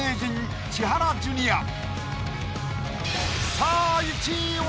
さぁ１位は？